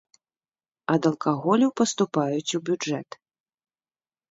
Ад алкаголю паступаюць у бюджэт.